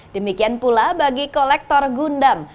demikian pula bagi kolektor gundam